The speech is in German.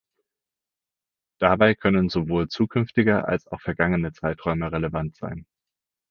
Dabei können sowohl zukünftige als auch vergangene Zeiträume relevant sein.